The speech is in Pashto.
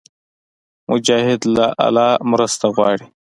مجاهد له الله مرسته غواړي.